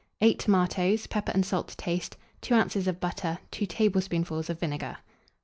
8 tomatoes, pepper and salt to taste, 2 oz. of butter, 2 tablespoonfuls of vinegar.